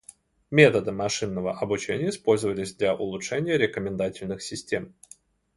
Методы машинного обучения использовались для улучшения рекомендательных систем.